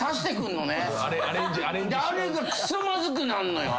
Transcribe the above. あれがくそまずくなんのよ。